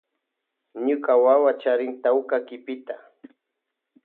Ñuka wawa charin tawka kipita.